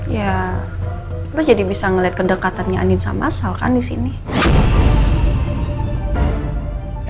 ya lo jadi bisa ngeliat kedekatannya anin sama asal kan disini